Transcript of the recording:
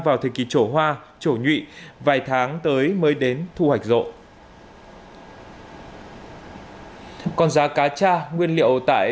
vào thời kỳ trổ hoa trổ nhuy vài tháng tới mới đến thu hoạch rộ còn giá cá cha nguyên liệu tại